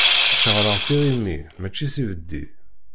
Ccṛeɛ s iɣimi, mačči s ibeddi.